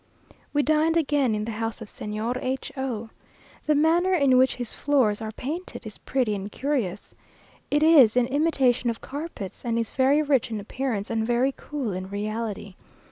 We dined again in the house of Señor H o. The manner in which his floors are painted is pretty and curious. It is in imitation of carpets, and is very rich in appearance and very cool in reality.